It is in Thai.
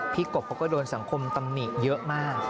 กบเขาก็โดนสังคมตำหนิเยอะมาก